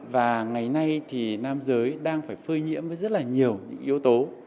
và ngày nay thì nam giới đang phải phơi nhiễm với rất là nhiều những yếu tố